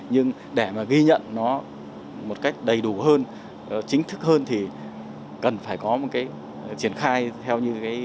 nhưng để mà ghi nhận nó một cách đầy đủ hơn chính thức hơn thì cần phải có một cái triển khai theo như